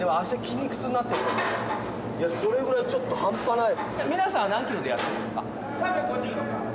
それぐらいちょっと半端ない。